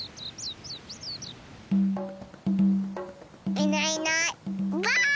いないいないばあっ！